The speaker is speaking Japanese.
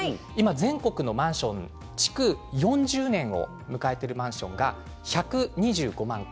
全国のマンション築４０年を迎えているマンションが１２５万戸。